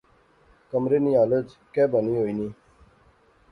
کمرے نی حالت کہہ بنی ہوئی نی